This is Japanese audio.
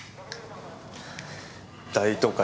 大都会